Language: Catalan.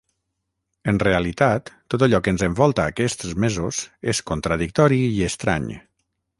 En realitat, tot allò que ens envolta aquests mesos és contradictori i estrany.